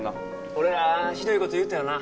俺らひどい事言うたよな。